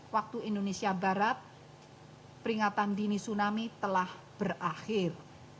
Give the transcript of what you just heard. waktu indonesia barat peringatan dini tsunami telah berakhir